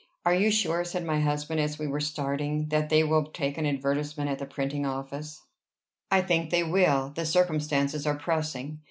"Are you sure," said my husband, as we were starting, "that they will take an advertisement at the printing office?" "I think they will. The circumstances are pressing.